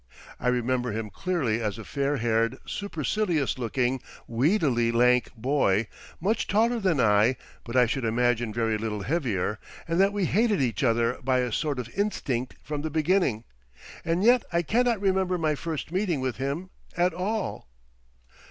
I remember him clearly as a fair haired, supercilious looking, weedily lank boy, much taller than I, but I should imagine very little heavier, and that we hated each other by a sort of instinct from the beginning; and yet I cannot remember my first meeting with him at all.